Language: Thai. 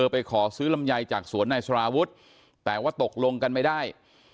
ไปขอซื้อลำไยจากสวนนายสารวุฒิแต่ว่าตกลงกันไม่ได้